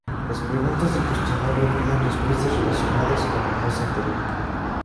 Las preguntas del cuestionario piden respuestas relacionadas con el mes anterior.